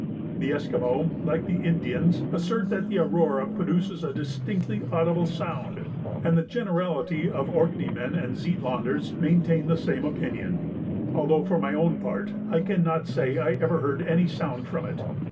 The Esquimaux, like the Indians, assert that the aurora produces a distinctly audible sound, and the generality of Orkneymen and Zetlanders maintain the same opinion, although for my own part I cannot say that I ever heard any sound from it.